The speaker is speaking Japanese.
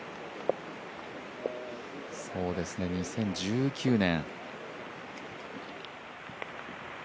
２０１９年。